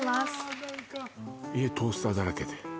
家、トースターだらけで？